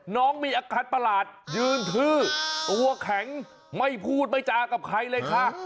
น้องมีอาการประหลาดยืนทื้อตัวแข็งไม่พูดไม่จากับใครเลยค่ะ